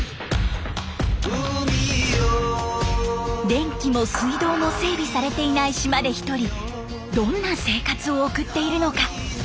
電気も水道も整備されてない島で１人どんな生活を送っているのか？